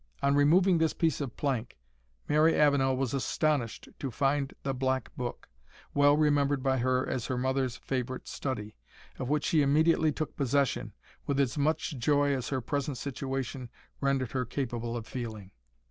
On removing this piece of plank, Mary Avenel was astonished to find the Black Book, well remembered by her as her mother's favourite study, of which she immediately took possession, with as much joy as her present situation rendered her capable of feeling.